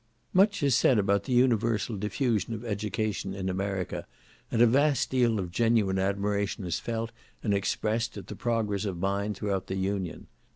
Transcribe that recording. Much is said about the universal diffusion of education in America, and a vast deal of genuine admiration is felt and expressed at the progress of mind throughout the Union.